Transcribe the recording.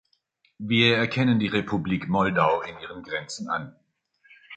Wir erkennen die Republik Moldau in ihren Grenzen an.